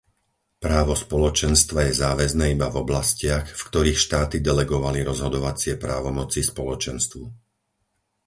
Právo Spoločenstva je záväzné iba v oblastiach, v ktorých štáty delegovali rozhodovacie právomoci Spoločenstvu.